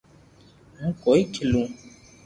ھون ڪوئي کيلو